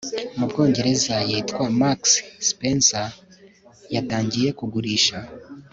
mu Bwongereza yitwa Marks Spencer yatangiye kugurisha